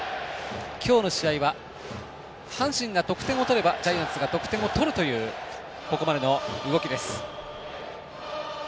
今日の試合は阪神が得点を取ればジャイアンツが得点を取るというここまでの動きです。